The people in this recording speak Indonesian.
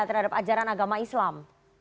terhadap ajaran agama islam